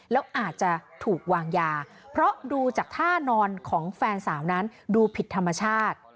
แล้วอาจจะถูกวางยาเพราะดูจากท่านอนของแฟนสาวนั้นดูผิดธรรมชาติ